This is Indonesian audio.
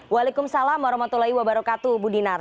waalaikumsalam warahmatullahi wabarakatuh bu dinar